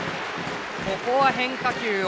ここは変化球を。